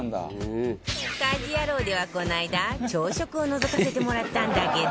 『家事ヤロウ！！！』ではこの間朝食をのぞかせてもらったんだけど